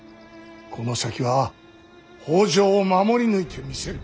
この先は北条を守り抜いてみせる。